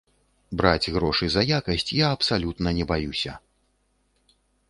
Браць грошы за якасць я абсалютна не баюся.